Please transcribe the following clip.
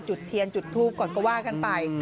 จุดเทียนจุดทูปก่อนก็ว่ากันไป